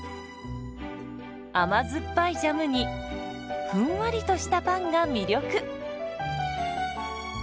甘酸っぱいジャムにふんわりとしたパンが魅力。